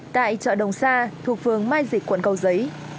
tại chợ đồng sa thuộc phường mai dịch quận cầu giấy